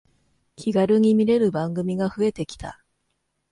気軽に見れる番組が増えてきた